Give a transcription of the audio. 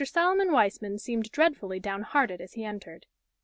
Solomon Weismann seemed dreadfully downhearted as he entered.